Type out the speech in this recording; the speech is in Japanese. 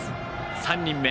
３人目。